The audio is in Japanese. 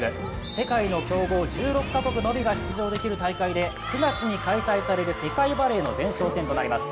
世界の強豪１６カ国のみが出場できる大会で９月に開催される世界バレーの前哨戦となります。